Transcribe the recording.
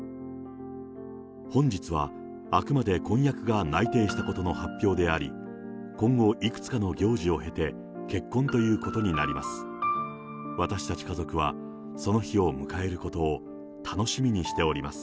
本日はあくまで婚約が内定したことの発表であり、今後、いくつかの行事を経て、結婚ということになります。